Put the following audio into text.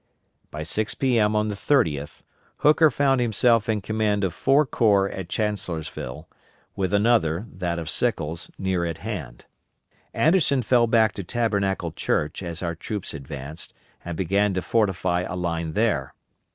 By 6 P.M. on the 30th, Hooker found himself in command of four corps at Chancellorsville, with another that of Sickles near at hand. Anderson fell back to Tabernacle Church as our troops advanced, and began to fortify a line there.